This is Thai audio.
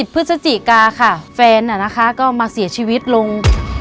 พฤศจิกาค่ะแฟนก็มาเสียชีวิตลง